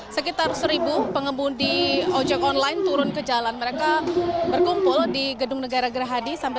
selamat siang rima